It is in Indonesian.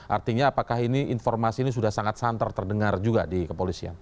artinya apakah ini informasi ini sudah sangat santer terdengar juga di kepolisian